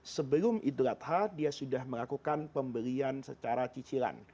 sebelum idlat ha dia sudah melakukan pembelian secara cicilan